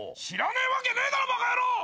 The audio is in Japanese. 知らねえわけねえだろ